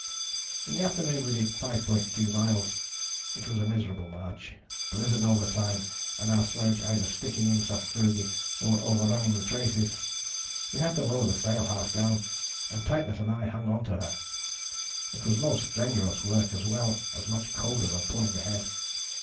"In the afternoon we did 5.2 miles. It was a miserable march, blizzard all the time and our sledge either sticking in sastrugi or overrunning the traces. We had to lower the sail half down, and Titus and I hung on to her. It was most strenuous work, as well as much colder than pulling ahead.